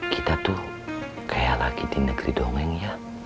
kita tuh kayak laki di negeri dongeng ya